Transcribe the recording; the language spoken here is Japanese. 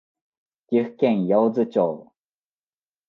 岐阜県八百津町